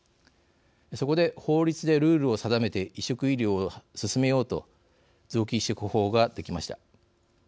そこで、法律でルールを定めて移植医療を進めようと臓器移植法ができました。